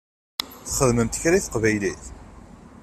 Txedmemt kra i teqbaylit?